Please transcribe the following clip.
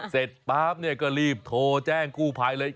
เสร็จป๊าบก็รีบโทรแจ้งกู้ภายเลย